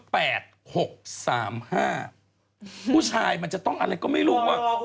ผู้ชายมันจะต้องอะไรก็ไม่รู้ว่า